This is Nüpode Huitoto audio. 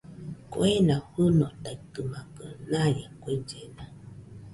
Kuena fɨnotatɨmakɨ naie kuellena